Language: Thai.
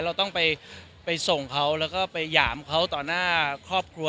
เราต้องไปส่งเขาแล้วก็ไปหยามเขาต่อหน้าครอบครัว